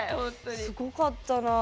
すごかったなぁ。